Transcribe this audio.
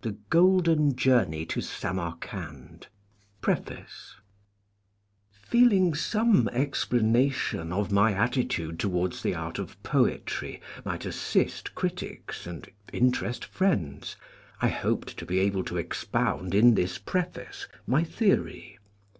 THE GOLDEN JOURNEY TO SAMARKAND 1 PREFACE FEELING some explanation of my attitude towards the art of poetry might assist critics and interest friends, I hoped to be able to ex pound in this preface my theory.